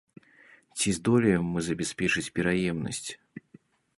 Ці здолеем мы забяспечыць пераемнасць?